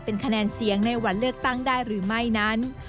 เป็นคะแนนเสียงในวันเลือกตั้งได้หรือไม่นั้น